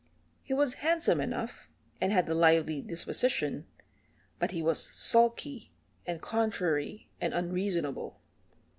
He was handsome enough, and had a lively disposition, but he was sulky and contrary and unreasonable.